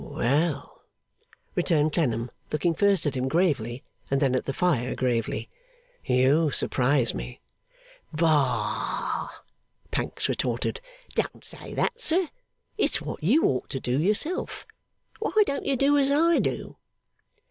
'Well!' returned Clennam, looking first at him gravely and then at the fire gravely. 'You surprise me!' 'Bah!' Pancks retorted. 'Don't say that, sir. It's what you ought to do yourself! Why don't you do as I do?